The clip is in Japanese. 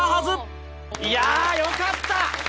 いやあ良かった！